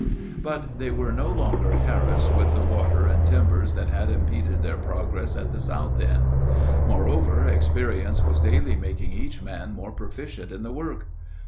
But they were no longer harassed with the water and timbers that had impeded their progress at the south end. Moreover, experience was daily making each man more proficient in the work.